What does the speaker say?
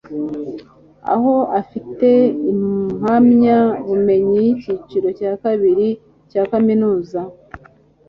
aho afite impamya bumenyi y'icyiciro cya kabiri cya kaminuza